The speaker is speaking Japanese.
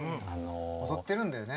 踊ってるんだよね。